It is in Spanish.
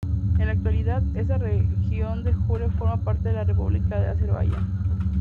En la actualidad, esta región de jure forma parte de la república de Azerbaiyán.